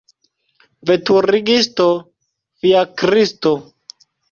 Veturigisto fiakristo!